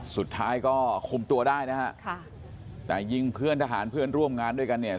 สุดท้ายก็คุมตัวได้นะฮะค่ะแต่ยิงเพื่อนทหารเพื่อนร่วมงานด้วยกันเนี่ย